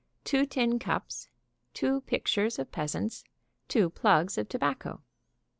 Two tin cups. Two pictures of peasants. Two plugs of tobacco.